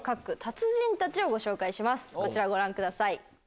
こちらご覧ください。